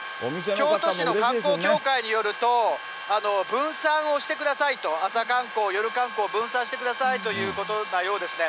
京都市の観光協会によると、分散をしてくださいと、朝観光、夜観光、分散してくださいというようなことですね。